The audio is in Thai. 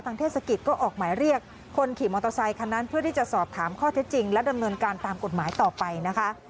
เทศกิจก็ออกหมายเรียกคนขี่มอเตอร์ไซคันนั้นเพื่อที่จะสอบถามข้อเท็จจริงและดำเนินการตามกฎหมายต่อไปนะคะ